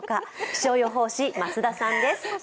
気象予報士、増田さんです。